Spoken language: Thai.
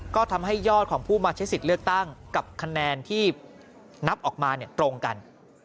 ก็ทำให้ยอดของผู้มาใช้สิทธิ์เลือกตั้งกับคะแนนที่นับออกมาตรงกัน